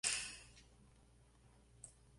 Se encuentra en Bahía de Cruz de Buenaventura.